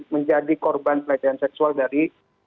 menjadi korban pelecehan seksual dari